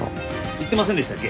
言ってませんでしたっけ？